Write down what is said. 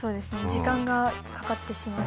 時間がかかってしまうっていう。